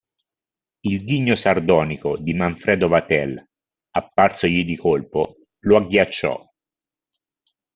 Il ghigno sardonico di Manfredo Vatel, apparsogli di colpo, lo agghiacciò.